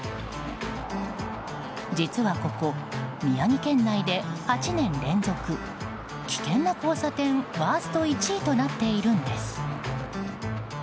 実はここ、宮城県内で８年連続危険な交差点ワースト１位となっているんです。